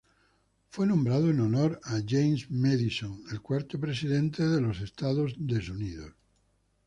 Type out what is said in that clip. Fue nombrado en honor a James Madison, el cuarto Presidente de los Estados Unidos.